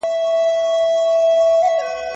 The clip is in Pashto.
د ښوونځیو په انګړ کي د زده کوونکو تفریح څنګه ده؟